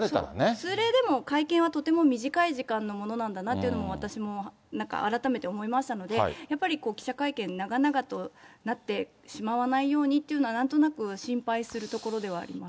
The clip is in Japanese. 通例でも会見は短い時間のものなんだなというのも、私もなんか改めて思いましたので、やっぱり記者会見、長々となってしまわないようにというのは、なんとなく心配するところではあります。